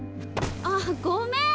あっごめん。